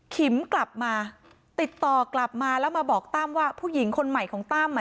ขิมกลับมาติดต่อกลับมาแล้วมาบอกตั้มว่าผู้หญิงคนใหม่ของตั้มอ่ะ